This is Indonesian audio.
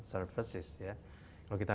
services kalau kita